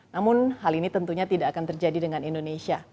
namun hal ini tentunya tidak akan terjadi dengan indonesia